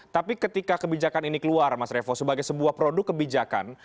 tapi ketika kebijakan ini keluar mas revo sebagai sebuah produk kebijakan